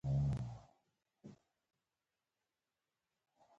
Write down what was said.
که موږ پښتو وساتو، نو خپل هویت، کلتور او عزت مو ژغورلی دی.